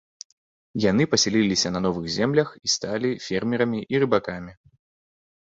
Яны пасяліліся на новых землях і сталі фермерамі і рыбакамі.